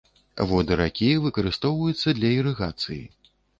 Воды ракі выкарыстоўваецца для ірыгацыі.